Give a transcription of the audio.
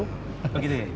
oh gitu ya